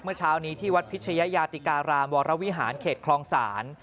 เมื่อเช้านี้ที่วัดพิชยาติการามวรวิหารเขตคลองศาล